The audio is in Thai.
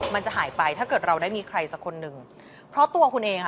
มันจะหายไปถ้าเกิดเราได้มีใครสักคนหนึ่งเพราะตัวคุณเองค่ะ